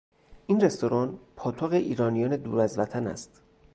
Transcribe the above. این رستوران پاتوق ایرانیان دور از وطن است.